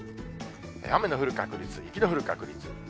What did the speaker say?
雨の降る確率、雪の降る確率。